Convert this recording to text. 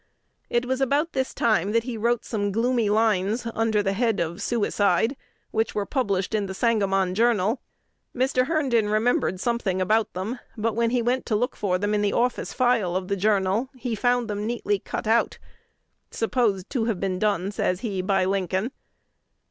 It was about this time that he wrote some gloomy lines under the head of "Suicide," which were published in "The Sangamon Journal." Mr. Herndon remembered something about them; but, when he went to look for them in the office file of the "Journal," he found them neatly cut out, "supposed to have been done," says he, "by Lincoln."